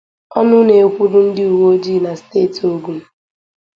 Ọnụ na-ekwuru ndị uweojii na steeti Ogun